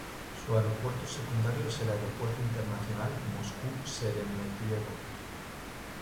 Su aeropuerto secundario es el Aeropuerto Internacional Moscu-Sheremetyevo.